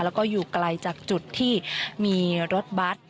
แล้วก็อยู่ไกลจากจุดที่มีรถบัตร